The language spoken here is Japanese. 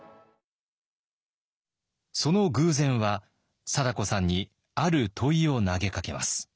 その偶然は貞子さんにある問いを投げかけます。